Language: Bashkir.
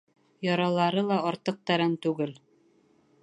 Яралары ла артыҡ тәрән түгел.